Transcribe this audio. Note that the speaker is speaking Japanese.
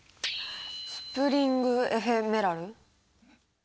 スプリングエフェメラル？